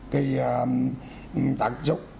cái tác dụng